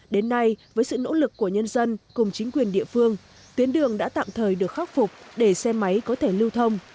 đến nay với sự nỗ lực của nhân dân cùng chính quyền địa phương tuyến đường đã tạm thời được khắc phục để xe máy có thể lưu thông